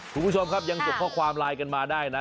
คุณผู้ชมครับยังส่งข้อความไลน์กันมาได้นะ